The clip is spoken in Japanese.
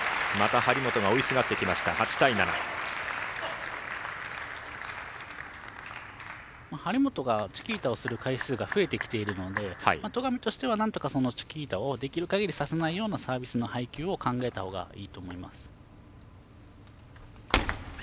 張本がチキータをする回数が増えてきているので戸上としてはなんとかそのチキータをできるかぎりさせないようなサービスの配球を考えたほうがいいと思います。